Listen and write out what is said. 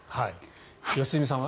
良純さんは？